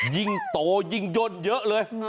ยิ่งโตยิ่งย่นเยอะเลย